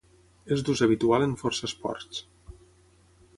És d'ús habitual en força esports.